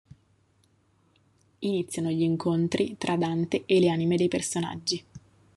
Iniziano gli incontri tra Dante e le anime dei personaggi.